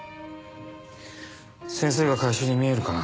先生が回収に見えるかな？